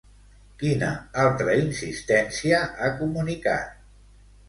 Quina altra insistència ha comunicat?